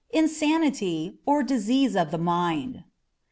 INSANITY; OR, DISEASE OF THE MIND.